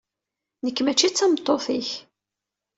Nekk mačči d tameṭṭut-ik.